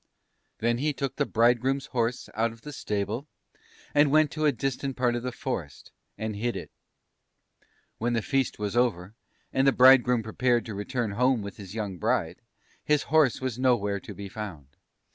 "Then he took the Bridegroom's horse out of the stable, and went to a distant part of the forest, and hid it. "When the feast was over, and the Bridegroom prepared to return home with his young Bride, his horse was nowhere to be found.